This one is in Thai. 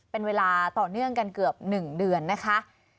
เป็นเวลาต่อเนื่องกันเกือบ๑เดือนนะคะ